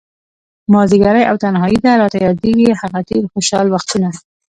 مازديګری او تنهائي ده، راته ياديږي هغه تير خوشحال وختونه